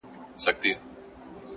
• چي له تقریباً نیمي پېړۍ راهیسي -